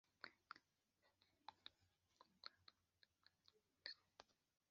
mbwira nawe niba unkunda oya bimbwire mbimenye